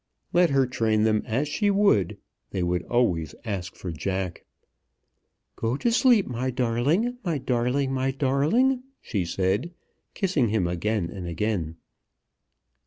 Let her train them as she would, they would always ask for Jack. "Go to sleep, my darling, my darling, my darling!" she said, kissing him again and again.